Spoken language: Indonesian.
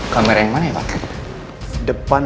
kasih tau papa